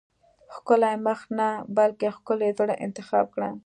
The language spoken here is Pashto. ښکلی مخ نه بلکې ښکلي زړه انتخاب کړه.